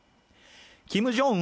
キム・ジョンウン